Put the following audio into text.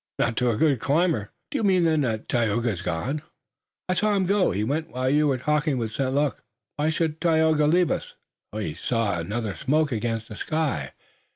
"Not to a good climber." "Do you mean, then, that Tayoga is gone?" "I saw him go. He went while you were talking with St. Luc." "Why should Tayoga leave us?" "He saw another smoke against the sky.